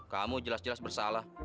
kamu jelas jelas bersalah